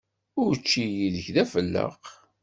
Učči yid-k d afelleq.